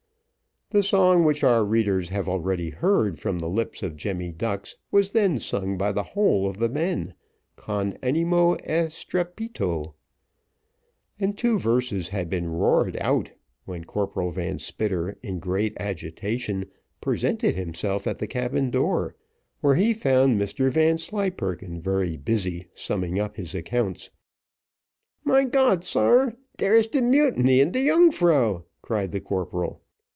The song which our readers have already heard from the lips of Jemmy Ducks, was then sung by the whole of the men, con animo e strepito, and two verses had been roared out, when Corporal Van Spitter, in great agitation, presented himself at the cabin door, where he found Mr Vanslyperken very busy summing up his accounts. "Mein Gott, sar! dere is de mutiny in de Yungfrau," cried the corporal.